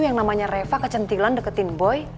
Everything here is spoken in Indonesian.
yang namanya reva kecentilan deketin boy